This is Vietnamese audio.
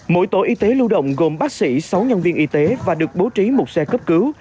mỗi tổ y tế lưu động gồm bác sĩ sáu nhân viên y tế và được bố trí một xe cấp cứu